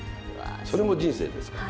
それも人生ですから。